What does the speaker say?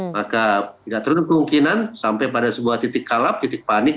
maka tidak tertutup kemungkinan sampai pada sebuah titik kalap titik panik